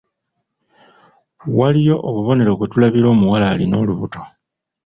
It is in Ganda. Waliyo obubonero kwe tulabira omuwala alina olubuto.